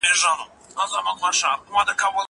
زه پرون سبزېجات تياروم وم.